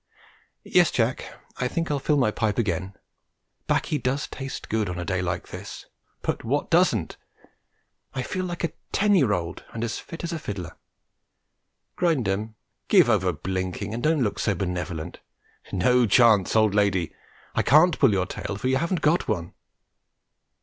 Yes, Jack, I think I'll fill my pipe again. Baccy does taste good on a day like this; but what doesn't? I feel like a ten year old and as fit as a fiddler. Grindum, give over blinking and don't look so benevolent. No, Chance, no, old lady, I can't pull your tail, for you haven't got one.